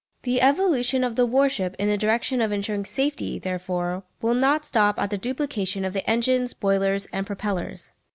The evolution of the warship in the direction of ensuring safety, therefore, will not stop at the duplication of the engines, boilers and propellers.